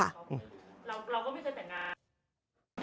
เราก็ไม่เคยแต่งงาน